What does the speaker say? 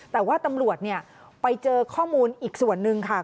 แต่ว่าตำรวจไปเจอข้อมูลอีกส่วนหนึ่งค่ะ